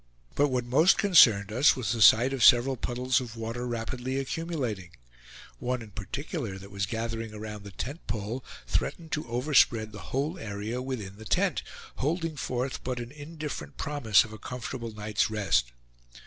But what most concerned us was the sight of several puddles of water rapidly accumulating; one in particular, that was gathering around the tent pole, threatened to overspread the whole area within the tent, holding forth but an indifferent promise of a comfortable night's rest.